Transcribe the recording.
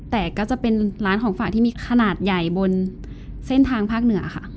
แต่ก็จะเป็นร้านของฝากที่มีขนาดใหญ่บนเส้นทางภาคเหนือค่ะ